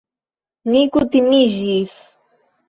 Ni kutimiĝis!